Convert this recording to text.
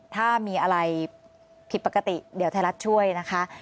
ถ้ามีอะไรผิดปกติเดี๋ยวไทยรัฐช่วยนะคะ